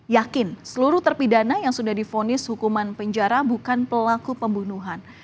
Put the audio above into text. yakin seluruh terpidana yang sudah difonis hukuman penjara bukan pelaku pembunuhan